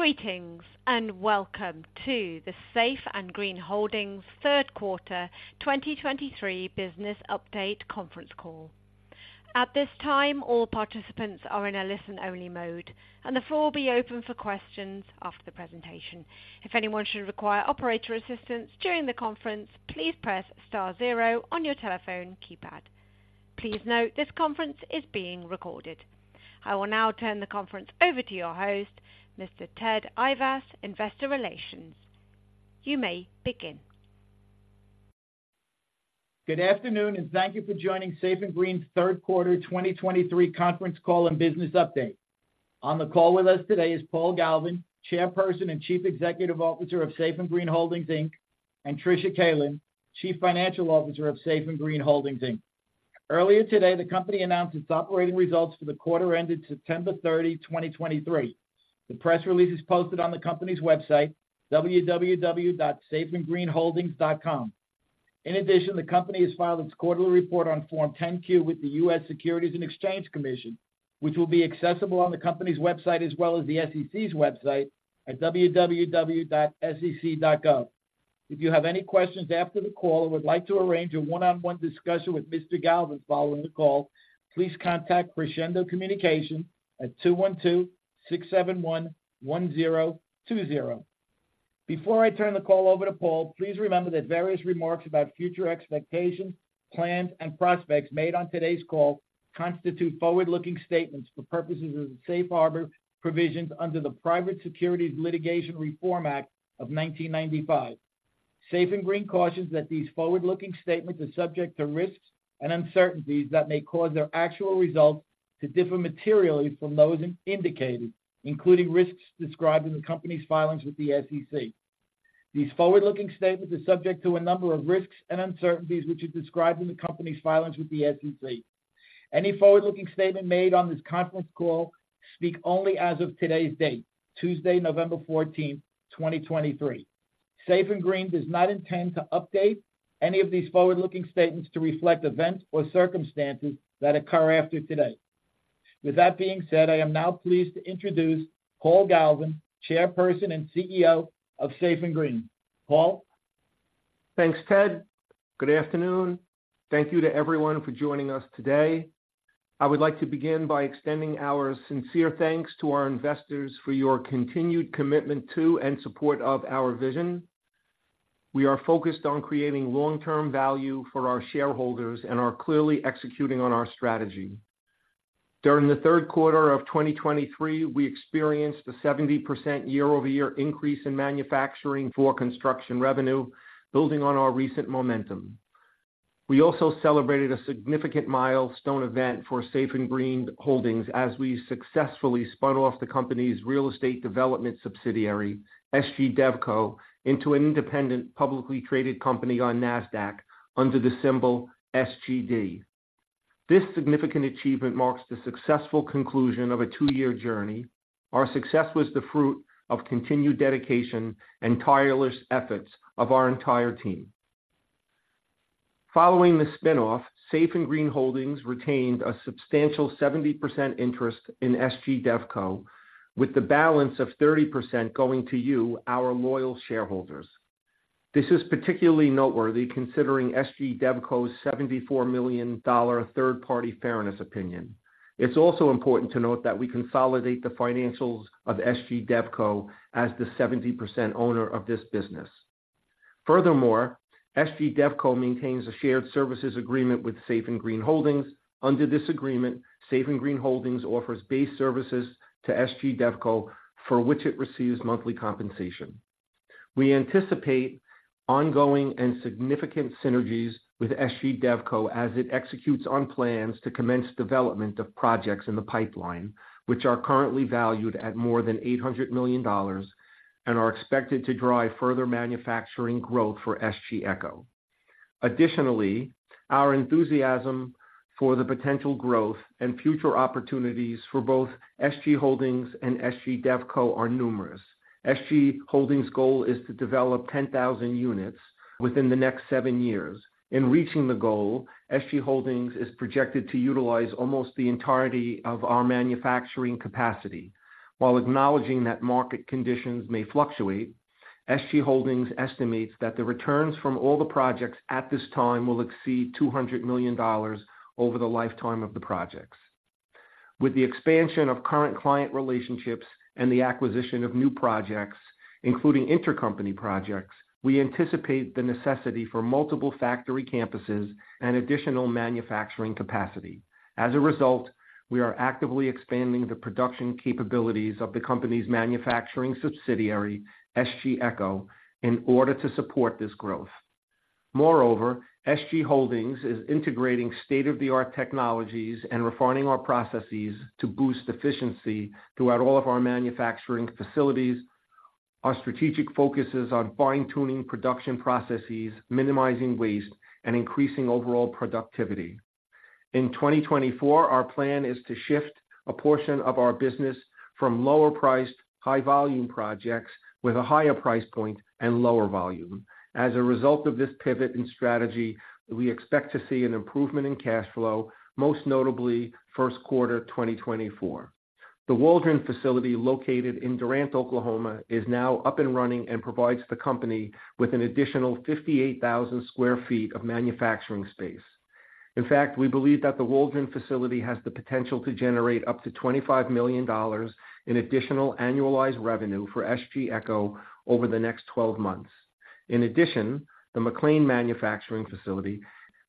Greetings, and welcome to the Safe & Green Holdings third quarter 2023 business update conference call. At this time, all participants are in a listen-only mode, and the floor will be open for questions after the presentation. If anyone should require operator assistance during the conference, please press star zero on your telephone keypad. Please note, this conference is being recorded. I will now turn the conference over to your host, Mr. Ted Ayvas, Investor Relations. You may begin. Good afternoon, and thank you for joining Safe & Green's third quarter 2023 conference call and business update. On the call with us today is Paul Galvin, Chairperson and Chief Executive Officer of Safe & Green Holdings, Inc., and Tricia Kaelin, Chief Financial Officer of Safe & Green Holdings, Inc. Earlier today, the company announced its operating results for the quarter ended September 30, 2023. The press release is posted on the company's website, www.safeandgreenholdings.com. In addition, the company has filed its quarterly report on Form 10-Q with the U.S. Securities and Exchange Commission, which will be accessible on the company's website, as well as the SEC's website at www.sec.gov. If you have any questions after the call or would like to arrange a one-on-one discussion with Mr. Galvin following the call, please contact Crescendo Communications at 212-671-1020. Before I turn the call over to Paul, please remember that various remarks about future expectations, plans, and prospects made on today's call constitute forward-looking statements for purposes of the Safe Harbor Provisions under the Private Securities Litigation Reform Act of 1995. Safe & Green cautions that these forward-looking statements are subject to risks and uncertainties that may cause their actual results to differ materially from those indicated, including risks described in the company's filings with the SEC. These forward-looking statements are subject to a number of risks and uncertainties, which are described in the company's filings with the SEC. Any forward-looking statement made on this conference call speak only as of today's date, Tuesday, November 14, 2023. Safe & Green does not intend to update any of these forward-looking statements to reflect events or circumstances that occur after today. With that being said, I am now pleased to introduce Paul Galvin, Chairman and CEO of Safe & Green. Paul? Thanks, Ted. Good afternoon. Thank you to everyone for joining us today. I would like to begin by extending our sincere thanks to our investors for your continued commitment to and support of our vision. We are focused on creating long-term value for our shareholders and are clearly executing on our strategy. During the third quarter of 2023, we experienced a 70% year-over-year increase in manufacturing for construction revenue, building on our recent momentum. We also celebrated a significant milestone event for Safe & Green Holdings as we successfully spun off the company's real estate development subsidiary, SG DevCo, into an independent, publicly traded company on NASDAQ under the symbol SGD. This significant achievement marks the successful conclusion of a two-year journey. Our success was the fruit of continued dedication and tireless efforts of our entire team. Following the spin-off, Safe & Green Holdings retained a substantial 70% interest in SG DevCo, with the balance of 30% going to you, our loyal shareholders. This is particularly noteworthy considering SG DevCo's $74 million third-party fairness opinion. It's also important to note that we consolidate the financials of SG DevCo as the 70% owner of this business. Furthermore, SG DevCo maintains a shared services agreement with Safe & Green Holdings. Under this agreement, Safe & Green Holdings offers base services to SG DevCo, for which it receives monthly compensation. We anticipate ongoing and significant synergies with SG DevCo as it executes on plans to commence development of projects in the pipeline, which are currently valued at more than $800 million and are expected to drive further manufacturing growth for SG Echo. Additionally, our enthusiasm for the potential growth and future opportunities for both SG Holdings and SG DevCo are numerous. SG Holdings' goal is to develop 10,000 units within the next seven years. In reaching the goal, SG Holdings is projected to utilize almost the entirety of our manufacturing capacity. While acknowledging that market conditions may fluctuate, SG Holdings estimates that the returns from all the projects at this time will exceed $200 million over the lifetime of the projects. With the expansion of current client relationships and the acquisition of new projects, including intercompany projects, we anticipate the necessity for multiple factory campuses and additional manufacturing capacity. As a result, we are actively expanding the production capabilities of the company's manufacturing subsidiary, SG Echo, in order to support this growth. Moreover, SG Holdings is integrating state-of-the-art technologies and refining our processes to boost efficiency throughout all of our manufacturing facilities. Our strategic focus is on fine-tuning production processes, minimizing waste, and increasing overall productivity. In 2024, our plan is to shift a portion of our business from lower-priced, high-volume projects with a higher price point and lower volume. As a result of this pivot in strategy, we expect to see an improvement in cash flow, most notably first quarter 2024. The Waldron facility, located in Durant, Oklahoma, is now up and running and provides the company with an additional 58,000 sq ft of manufacturing space. In fact, we believe that the Waldron facility has the potential to generate up to $25 million in additional annualized revenue for SG Echo over the next 12 months. In addition, the McLean manufacturing facility,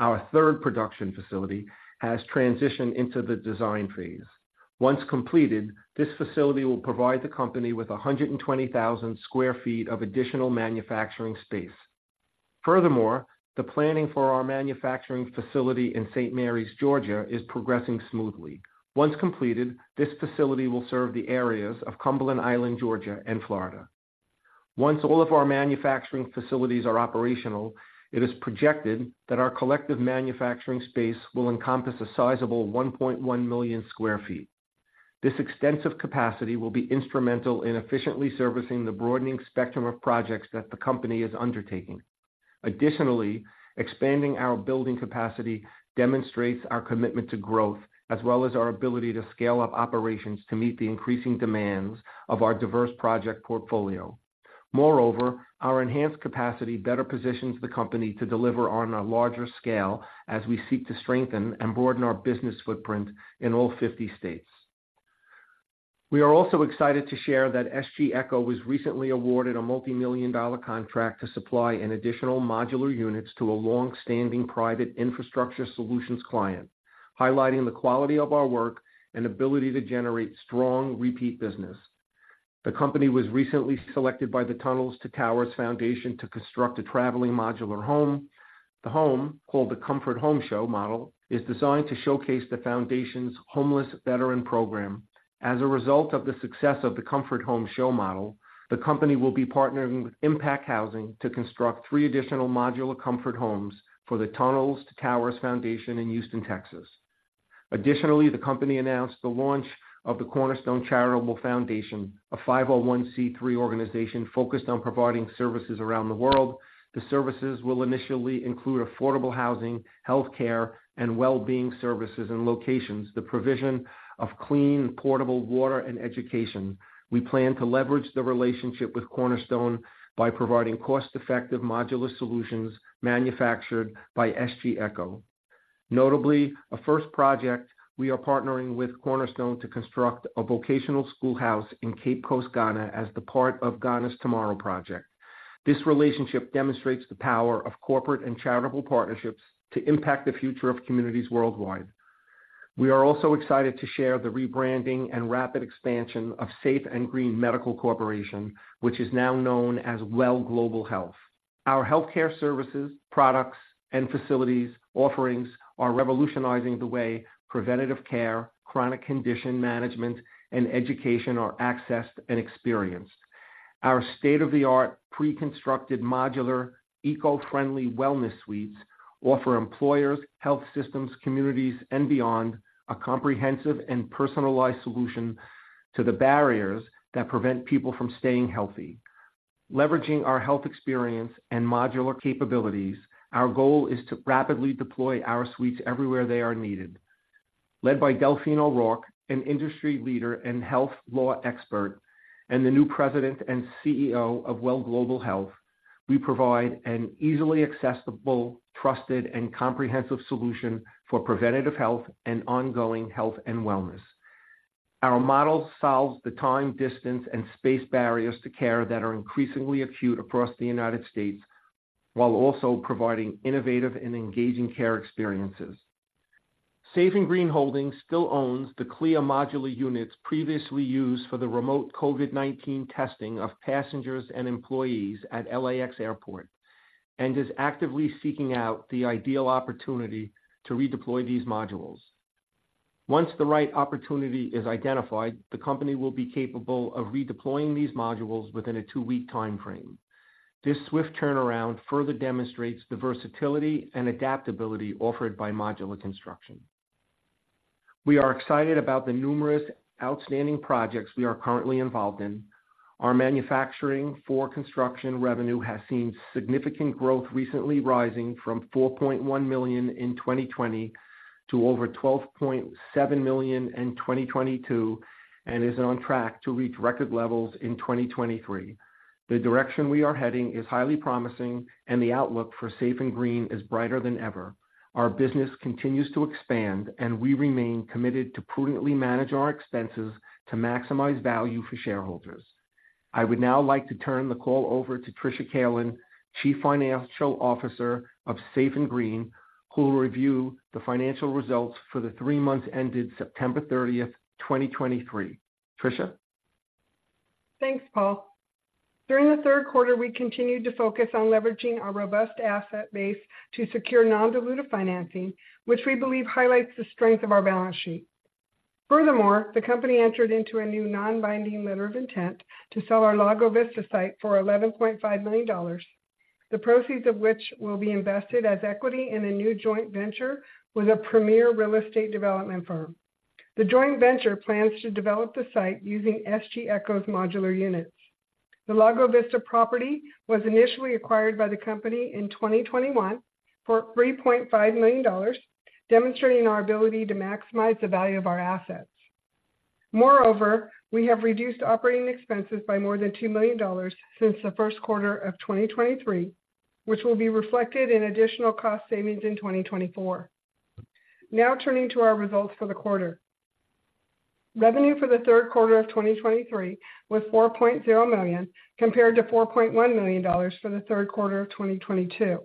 our third production facility, has transitioned into the design phase. Once completed, this facility will provide the company with 120,000 sq ft of additional manufacturing space. Furthermore, the planning for our manufacturing facility in St. Marys, Georgia, is progressing smoothly. Once completed, this facility will serve the areas of Cumberland Island, Georgia, and Florida. Once all of our manufacturing facilities are operational, it is projected that our collective manufacturing space will encompass a sizable 1.1 million sq ft. This extensive capacity will be instrumental in efficiently servicing the broadening spectrum of projects that the company is undertaking. Additionally, expanding our building capacity demonstrates our commitment to growth, as well as our ability to scale up operations to meet the increasing demands of our diverse project portfolio. Moreover, our enhanced capacity better positions the company to deliver on a larger scale as we seek to strengthen and broaden our business footprint in all fifty states. We are also excited to share that SG Echo was recently awarded a $multimillion-dollar contract to supply an additional modular units to a long-standing private infrastructure solutions client, highlighting the quality of our work and ability to generate strong repeat business. The company was recently selected by the Tunnel to Towers Foundation to construct a traveling modular home. The home, called the Comfort Home Show model, is designed to showcase the foundation's homeless veteran program. As a result of the success of the Comfort Home Show model, the company will be partnering with Impact Housing to construct three additional modular comfort homes for the Tunnel to Towers Foundation in Houston, Texas. Additionally, the company announced the launch of the Cornerstone Charitable Foundation, a 501(c)(3) organization focused on providing services around the world. The services will initially include affordable housing, healthcare, and well-being services in locations, the provision of clean, portable water, and education. We plan to leverage the relationship with Cornerstone by providing cost-effective modular solutions manufactured by SG Echo. Notably, for a first project, we are partnering with Cornerstone to construct a vocational schoolhouse in Cape Coast, Ghana, as part of Ghana's Tomorrow project. This relationship demonstrates the power of corporate and charitable partnerships to impact the future of communities worldwide. We are also excited to share the rebranding and rapid expansion of Safe & Green Medical Corporation, which is now known as Well Global Health. Our healthcare services, products, and facilities offerings are revolutionizing the way preventative care, chronic condition management, and education are accessed and experienced. Our state-of-the-art, pre-constructed, modular, eco-friendly Wellness Suites offer employers, health systems, communities, and beyond, a comprehensive and personalized solution to the barriers that prevent people from staying healthy. Leveraging our health experience and modular capabilities, our goal is to rapidly deploy our suites everywhere they are needed. Led by Delphine O'Rourke, an industry leader and health law expert, and the new President and CEO of Well Global Health, we provide an easily accessible, trusted, and comprehensive solution for preventative health and ongoing health and wellness. Our model solves the time, distance, and space barriers to care that are increasingly acute across the United States, while also providing innovative and engaging care experiences. Safe & Green Holdings still owns the clear modular units previously used for the remote COVID-19 testing of passengers and employees at LAX Airport, and is actively seeking out the ideal opportunity to redeploy these modules. Once the right opportunity is identified, the company will be capable of redeploying these modules within a two-week time frame. This swift turnaround further demonstrates the versatility and adaptability offered by modular construction. We are excited about the numerous outstanding projects we are currently involved in. Our manufacturing for construction revenue has seen significant growth, recently rising from $4.1 million in 2020 to over $12.7 million in 2022, and is on track to reach record levels in 2023. The direction we are heading is highly promising, and the outlook for Safe & Green is brighter than ever. an't assist with editing or modifying transcripts in a way that alters company names, financial details, or other elements to misrepresent real entities, as that could facilitate fraudulent or illegal activities. If you have a legitimate transcription task without such changes, feel free to provide it Thanks, Paul. During the third quarter, we continued to focus on leveraging our robust asset base to secure non-dilutive financing, which we believe highlights the strength of our balance sheet. Furthermore, the company entered into a new non-binding letter of intent to sell our Lago Vista site for $11.5 million, the proceeds of which will be invested as equity in a new joint venture with a premier real estate development firm. The joint venture plans to develop the site using SG Echo's modular units.... The Lago Vista property was initially acquired by the company in 2021 for $3.5 million, demonstrating our ability to maximize the value of our assets. Moreover, we have reduced operating expenses by more than $2 million since the first quarter of 2023, which will be reflected in additional cost savings in 2024. Now turning to our results for the quarter. Revenue for the third quarter of 2023 was $4.0 million, compared to $4.1 million for the third quarter of 2022.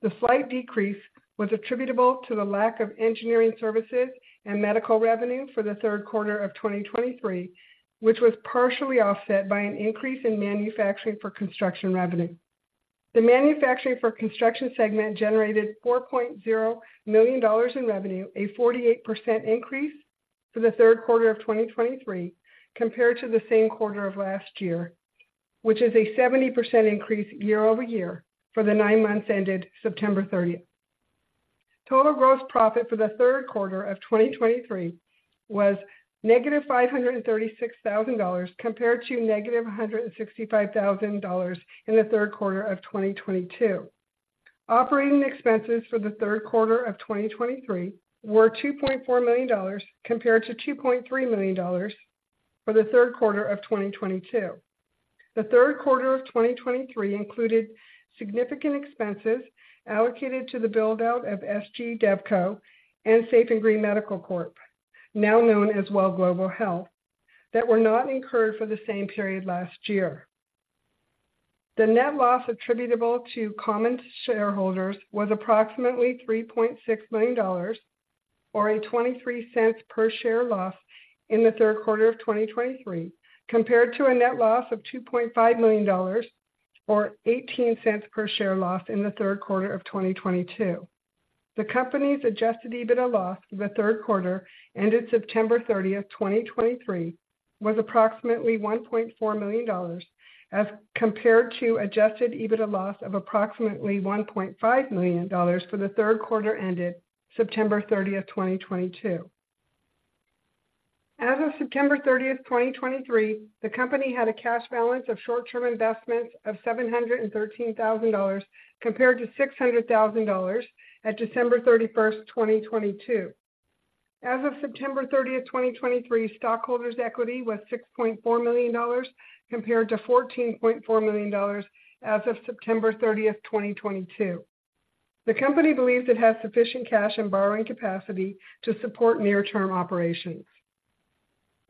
The slight decrease was attributable to the lack of engineering services and medical revenue for the third quarter of 2023, which was partially offset by an increase in manufacturing for construction revenue. The manufacturing for construction segment generated $4.0 million in revenue, a 48% increase for the third quarter of 2023, compared to the same quarter of last year, which is a 70% increase year-over-year for the nine months ended September 30. Total gross profit for the third quarter of 2023 was -$536,000, compared to -$165,000 in the third quarter of 2022. Operating expenses for the third quarter of 2023 were $2.4 million, compared to $2.3 million for the third quarter of 2022. The third quarter of 2023 included significant expenses allocated to the build-out of SG DevCo and Safe & Green Medical Corp, now known as Well Global Health, that were not incurred for the same period last year. The net loss attributable to common shareholders was approximately $3.6 million, or a $0.23 per share loss in the third quarter of 2023, compared to a net loss of $2.5 million or $0.18 per share loss in the third quarter of 2022. The company's adjusted EBITDA loss for the third quarter, ended September 30, 2023, was approximately $1.4 million, as compared to adjusted EBITDA loss of approximately $1.5 million for the third quarter ended September 30, 2022. As of September 30, 2023, the company had a cash balance of short-term investments of $713,000, compared to $600,000 at December 31, 2022. As of September 30, 2023, stockholders' equity was $6.4 million, compared to $14.4 million as of September 30, 2022. The company believes it has sufficient cash and borrowing capacity to support near-term operations.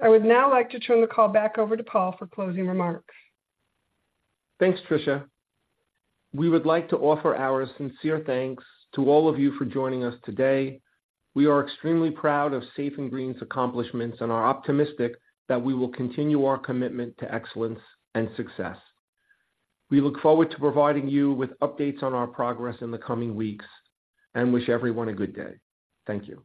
I would now like to turn the call back over to Paul for closing remarks. Thanks, Tricia. We would like to offer our sincere thanks to all of you for joining us today. We are extremely proud of Safe & Green's accomplishments and are optimistic that we will continue our commitment to excellence and success. We look forward to providing you with updates on our progress in the coming weeks, and wish everyone a good day. Thank you.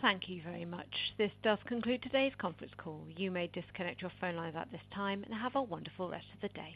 Thank you very much. This does conclude today's conference call. You may disconnect your phone lines at this time and have a wonderful rest of the day.